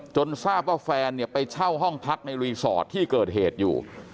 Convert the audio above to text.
ทราบว่าแฟนเนี่ยไปเช่าห้องพักในรีสอร์ทที่เกิดเหตุอยู่